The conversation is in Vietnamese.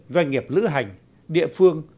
doanh nghiệp lữ hành địa phương